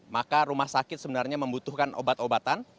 maka rumah sakit sebenarnya membutuhkan obat obatan